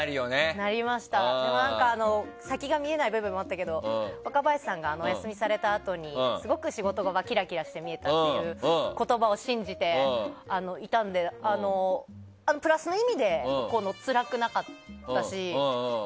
でも、先が見えない部分もあったけど若林さんがお休みされたあとにすごく仕事場がキラキラして見えたっていう言葉を信じていたのでプラスの意味でつらくなかったし。